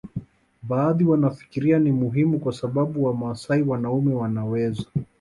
Baadhi wanafikiria ni muhimu kwa sababu Wamasai wanaume wanaweza